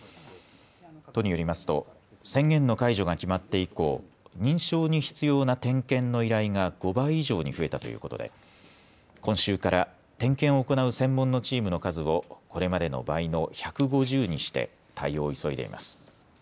都によりますと宣言の解除が決まって以降、認証に必要な点検の依頼が５倍以上に増えたということで今週から点検を行う専門のチームの数をこれまでの倍の１５０にして対応を急いでいます。